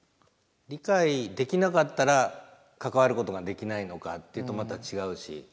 理解できなかったら関わることができないのかっていうとまた違うし。